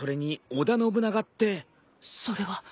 それは。